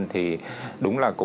thì đúng là